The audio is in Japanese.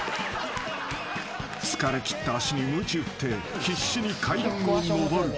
［疲れきった足にむち打って必死に階段を上る］